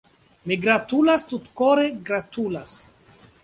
Mi gratulas, tutkore gratulas.